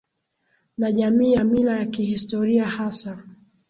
na jamii ya mila ya kihistoria Hasa